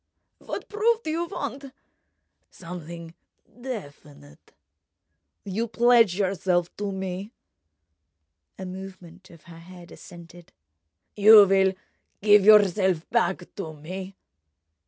"What proof do you want?" "Something definite.... You pledge yourself to me?" A movement of her head assented. "You will give yourself back to me?"